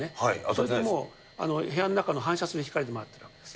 そうするともう、部屋の中の反射する光で回ってるわけです。